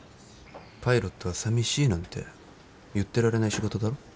パイロットはさみしいなんて言ってられない仕事だろ。